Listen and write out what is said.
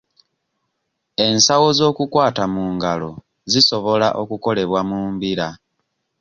Ensawo z'okukwata mu ngalo zisobola okukolebwa mu mbira.